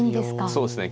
そうですね。